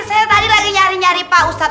saya tadi lagi nyari nyari pak ustadz